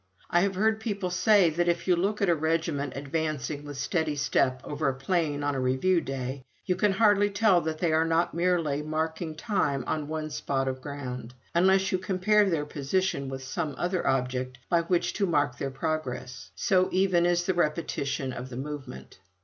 I have heard people say, that if you look at a regiment advancing with steady step over a plain on a review day, you can hardly tell that they are not merely marking time on one spot of ground, unless you compare their position with some other object by which to mark their progress, so even is the repetition of the movement.